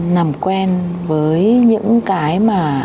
nằm quen với những cái mà